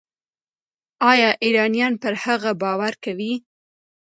ایا ایرانیان پر هغه باور کوي؟